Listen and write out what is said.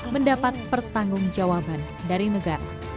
mendapat pertanggung jawaban dari negara